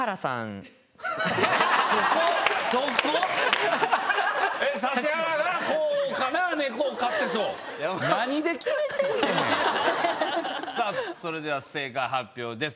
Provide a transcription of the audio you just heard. そこ⁉それでは正解発表です